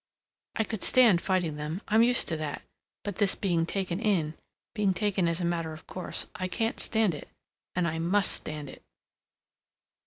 "I could stand fighting them. I'm used to that. But this being taken in, being taken as a matter of course, I can't stand it and I must stand it!"